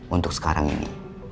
untuk sekarang ini